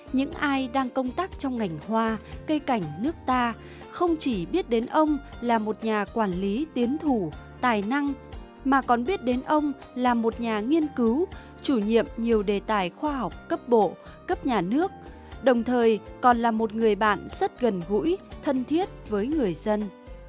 những ai đang công tác trong ngành hoa cây cảnh nước ta không chỉ biết đến ông là một nhà quản lý tiến thủ tài năng mà còn biết đến ông là một nhà nghiên cứu chủ nhiệm nhiều đề tài khoa học cấp bộ cấp nhà nước đồng thời còn là một người bạn rất gần gũi thân thiết với người dân